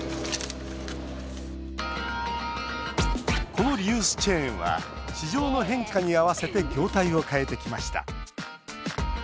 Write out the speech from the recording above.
このリユースチェーンは市場の変化に合わせて業態を変えてきました。